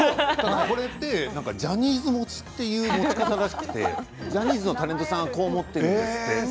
これってジャニーズ持ちっていう持ち方らしくてジャニーズのタレントさんはこう持ってるんです。